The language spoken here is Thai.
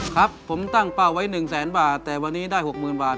ครับผมตั้งเป้าไว้๑แสนบาทแต่วันนี้ได้๖๐๐๐บาท